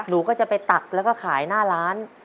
หนูก็จะไปตักแล้วก็ขายหน้าร้าน